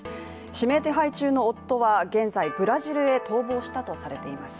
指名手配中の夫は現在ブラジルへ逃亡したとされています。